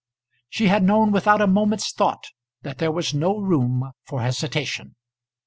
She had known without a moment's thought that there was no room for hesitation.